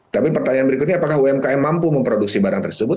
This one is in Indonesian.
tapi pertanyaan berikutnya apakah umkm mampu memproduksi barang tersebut